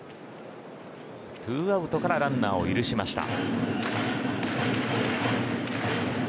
２アウトからランナーを許しました。